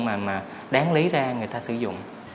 mà đáng lý ra người ta sử dụng